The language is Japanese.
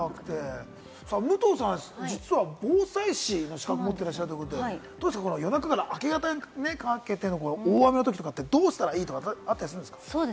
武藤さん、実は防災士の資格を持っていらっしゃるということで、夜中から明け方にかけての大雨のときとかって、どうしたらいいとかあったりするんですか？